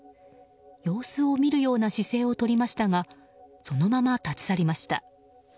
様子を見るような姿勢をとりましたがそのまま立ち去りました。